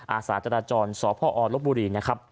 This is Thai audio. อาสาจราจรสพอลบบุรีนะครับ